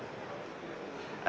あ。